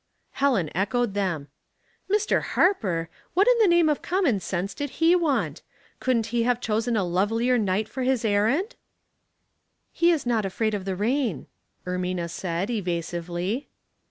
Helen echoed them. " Mr. Harper ! What in the name of common sense did he want? Couldn't he have chosen a lovelier night for his errand ?"" He is not afraid of the rain," Ermina said, evasively.